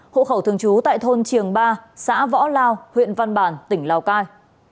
hộ khẩu thường trú tại thôn trường ba xã võ lao huyện văn bản tỉnh lào cai